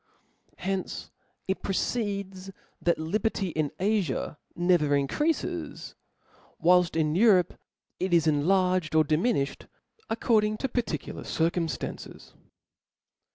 From hence it proceeds, that lijjerty in Afia never increafes; whilft in Europe it is enlarged ordi miniflied, according to particular circumftances.